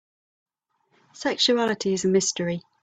Sexuality is a mystery.